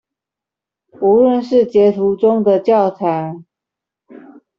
無論是截圖中的教材